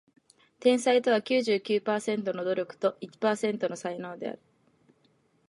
天才とは九十九パーセントの努力と一パーセントの才能である